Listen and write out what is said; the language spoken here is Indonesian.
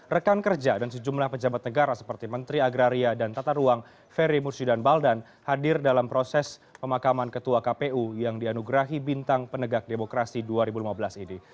rekan kerja dan sejumlah pejabat negara seperti menteri agraria dan tata ruang ferry murshidan baldan hadir dalam proses pemakaman ketua kpu yang dianugerahi bintang penegak demokrasi dua ribu lima belas ini